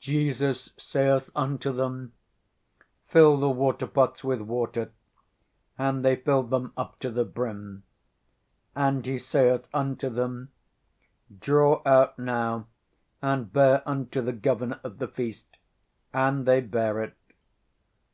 "Jesus saith unto them, Fill the waterpots with water. And they filled them up to the brim. "_And he saith unto them, Draw out now and bear unto the governor of the feast. And they bare it.